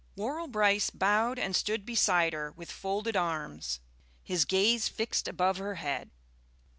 Worrall Brice bowed and stood beside her with folded arms, his gaze fixed above her head.